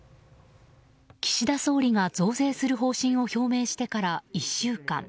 岸田総理が増税する方針を表明してから１週間。